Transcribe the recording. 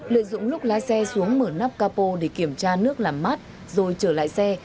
lợi dụng lúc lái xe xuống mở nắp capo để kiểm tra nước làm mát rồi trở lại xe